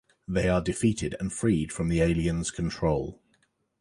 They are defeated and freed from the alien's control.